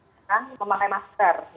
akan memakai masker